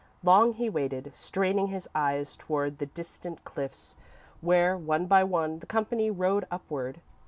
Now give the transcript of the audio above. Long he waited, straining his eyes toward the distant cliffs, where, one by one, the company rode upward.